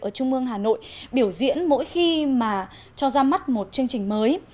ở trung mương hà nội biểu diễn mỗi khi mà cho ra mắt một chương trình mới